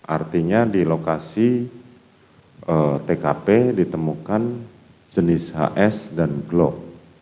artinya di lokasi tkp ditemukan jenis hs dan glock